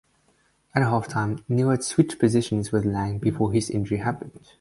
At halftime Neal had switched positions with Lang before his injury happened.